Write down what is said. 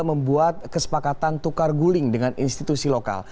membuat kesepakatan tukar gula